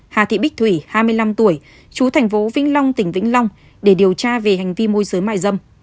hà thị bích thủy hai mươi năm tuổi chú thành phố vĩnh long tỉnh vĩnh long để điều tra về hành vi môi giới mại dâm